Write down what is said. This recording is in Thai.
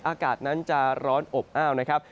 อากาศนั้นจะร้อนอบอ้าวนะครับ